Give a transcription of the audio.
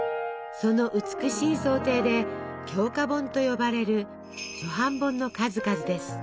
その美しい装丁で「鏡花本」と呼ばれる初版本の数々です。